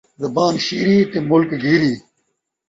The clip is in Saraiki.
زبان شیری تے ملک گیری